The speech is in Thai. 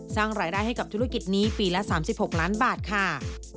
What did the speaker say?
สร้างรายได้ให้กับธุรกิจนี้ปีละ๓๖ล้านบาทค่ะ